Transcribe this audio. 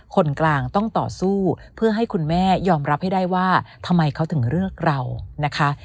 คนกลางต้องต่อสู้เพื่อให้คุณแม่ยอมรับให้ได้ว่าทำไมเขาถึงเลือกเรานะคะ